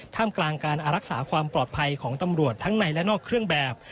กลางการอารักษาความปลอดภัยของตำรวจทั้งในและนอกเครื่องแบบ